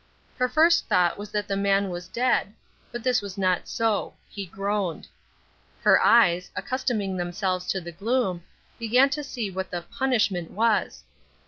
Her first thought was that the man was dead, but this was not so he groaned. Her eyes, accustoming themselves to the gloom, began to see what the "punishment" was.